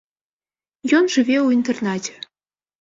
Ён жыве ў інтэрнаце.